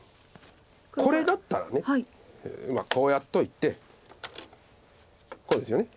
これだったらまあこうやっといてこうですよね。